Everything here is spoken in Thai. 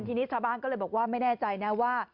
ทีนี้ชาวบ้านก็เลยบอกว่าไม่แน่ใจนะว่า